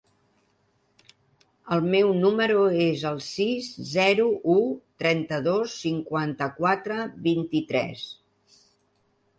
El meu número es el sis, zero, u, trenta-dos, cinquanta-quatre, vint-i-tres.